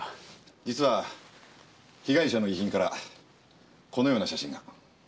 実は被害者の遺品からこのような写真が。